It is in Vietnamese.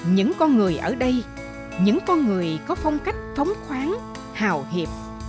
những con người ở đây những con người có phong cách thống khoáng hào hiệp